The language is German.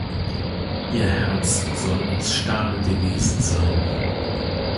Ihr Herz soll aus Stahl gewesen sein.